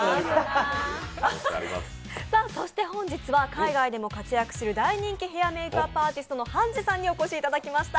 本日は海外でも活躍する大人気ヘアメイクアップアーティストのｈａｎｊｅｅさんにお越しいただきました。